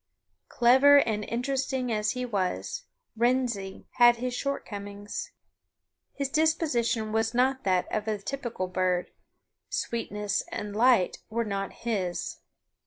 Clever and interesting as he was, Wrensie had his shortcomings. His disposition was not that of the typical bird: "Sweetness and light" were not his.